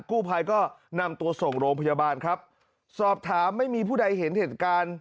กู้ภัยก็นำตัวส่งโรงพยาบาลครับสอบถามไม่มีผู้ใดเห็นเหตุการณ์